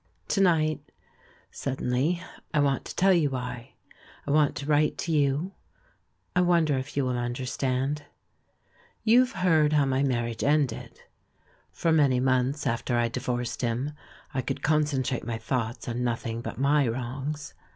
To night, suddenly, I want to tell you why, I want to write to you, I wonder if you will understand. You have heard how my marriage ended. For many months after I divorced him I could con centrate my thoughts on nothing but my wrongs.